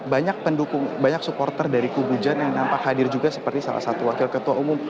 banyak pendukung banyak supporter dari kubu jan yang nampak hadir juga seperti salah satu wakil ketua umum